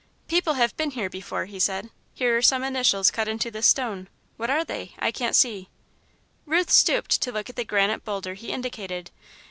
"People have been here before," he said; "here are some initials cut into this stone. What are they? I can't see." Ruth stooped to look at the granite boulder he indicated.